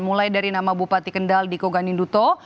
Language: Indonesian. mulai dari nama bupati kendal diko ganinduto